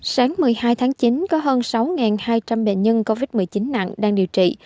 sáng một mươi hai tháng chín có hơn sáu hai trăm linh bệnh nhân covid một mươi chín nặng đang điều trị